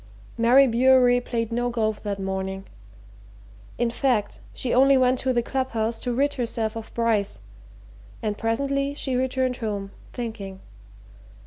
Mary Bewery played no golf that morning. In fact, she only went on to the club house to rid herself of Bryce, and presently she returned home, thinking.